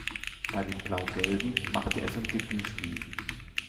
Bei den "Blau-Gelben" machte er sein Debütspiel.